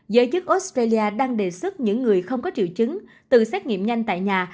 giới chức australia đang đề xuất những người không có triệu chứng tự xét nghiệm nhanh tại nhà